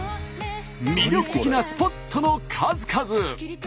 魅力的なスポットの数々！